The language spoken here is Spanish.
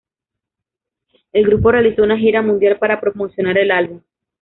El grupo realizó una gira mundial para promocionar el álbum.